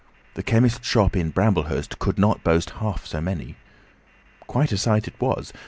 The chemist's shop in Bramblehurst could not boast half so many. Quite a sight it was.